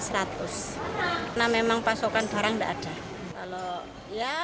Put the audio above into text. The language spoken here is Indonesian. karena memang pasokan barang tidak ada